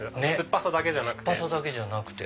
酸っぱさだけじゃなくて。